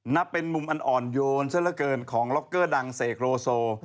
นับเป็นมุมอันอ่อนโยนซะละเกินของล็อกเกอร์ดังเสกโลโซ